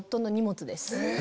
え！